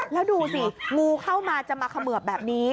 แล้วดูสิงูเข้ามาจะมาเขมือบแบบนี้